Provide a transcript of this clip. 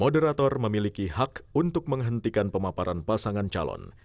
moderator memiliki hak untuk menghentikan pemaparan pasangan calon